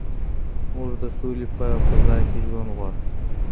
موږ د سولې په فضا کي ژوند غواړو.